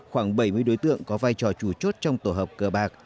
khoảng bảy mươi đối tượng có vai trò chủ chốt trong tổ hợp cờ bạc